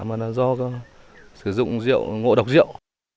mà là do sử dụng rượu ngộ độc rượu